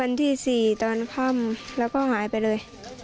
วันที่๔ตอนค่ำแล้วก็หายไปเลย